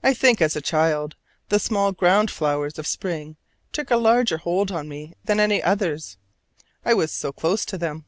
I think as a child the small ground flowers of spring took a larger hold upon me than any others: I was so close to them.